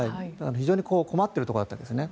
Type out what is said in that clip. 非常に困っているところだったんですね。